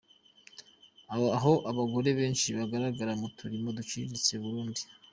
Aho abagore benshi bagaragara mu turimo duciriritse : Burundi.